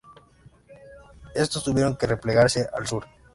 Estos tuvieron que replegarse al sur.